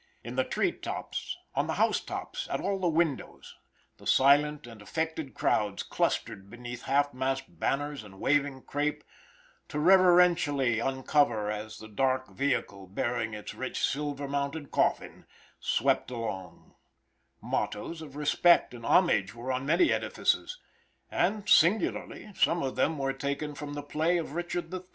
In the tree tops, on the house tops, at all the windows, the silent and affected crowds clustered beneath half mast banners and waving crape, to reverentially uncover as the dark vehicle, bearing its rich silver mounted coffin, swept along; mottoes of respect and homage were on many edifices, and singularly some of them were taken from the play of Richard III.